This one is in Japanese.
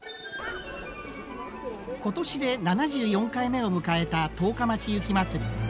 今年で７４回目を迎えた十日町雪まつり。